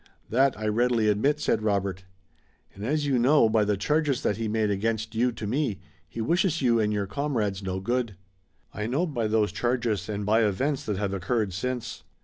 "That I readily admit," said Robert. "And as you know by the charges that he made against you to me, he wishes you and your comrades no good." "I know by those charges and by events that have occurred since.